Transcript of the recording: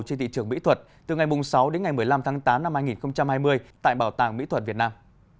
trên thị trường mỹ thuật từ ngày sáu đến ngày một mươi năm tháng tám năm hai nghìn hai mươi tại bảo tàng mỹ thuật việt nam